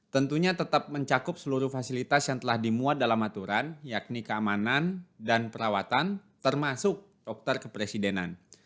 tentunya tetap mencakup seluruh fasilitas yang telah dimuat dalam aturan yakni keamanan dan perawatan termasuk dokter kepresidenan